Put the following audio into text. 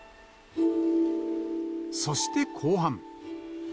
そして後半。